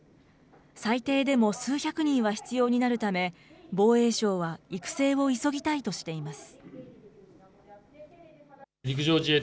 最低でも数百人は必要になるため、防衛省は育成を急ぎたいとしています。